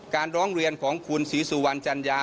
ร้องเรียนของคุณศรีสุวรรณจัญญา